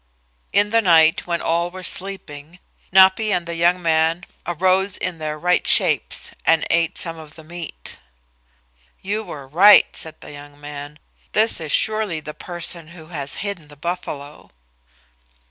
In the night, when all were sleeping, Napi and the young man arose in their right shapes and ate some of the meat. "You were right," said the young man. "This is surely the person who has hidden the buffalo."